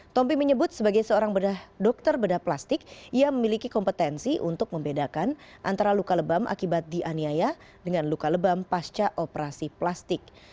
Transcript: tompi menyebut sebagai seorang dokter bedah plastik ia memiliki kompetensi untuk membedakan antara luka lebam akibat dianiaya dengan luka lebam pasca operasi plastik